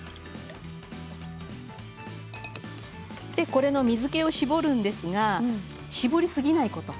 これの水けを絞るんですが絞りすぎないこと。